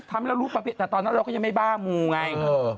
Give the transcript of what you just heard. ทำแล้วรู้ประเภทแต่ตอนนั้นเราก็ยังไม่บ้ามูไง